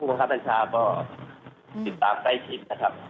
ผู้ค้าประชาก็ติดตามใกล้ผิดนะครับ